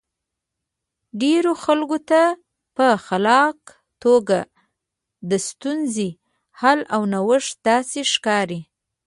ډېرو خلکو ته په خلاقه توګه د ستونزې حل او نوښت داسې ښکاري.